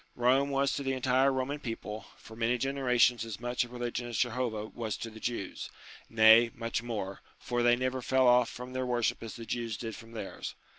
Rome was to the entire Roman people, for many generations as much a religion as Jehovah was to the Jews ; nay, much more, for they never fell off from their worship as the Jews did from theirs.